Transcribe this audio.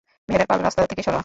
ভেড়ার পাল রাস্তা থেকে সরা।